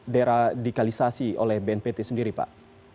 deradikalisasi oleh bnpt sendiri pak